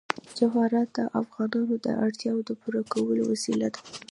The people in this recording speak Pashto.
جواهرات د افغانانو د اړتیاوو د پوره کولو وسیله ده.